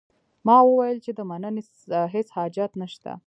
ما وویل چې د مننې هیڅ حاجت نه شته.